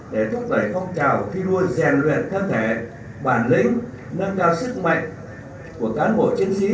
để thúc đẩy phong trào khi đua giàn luyện các thể bản lĩnh nâng cao sức mạnh của cán bộ chiến sĩ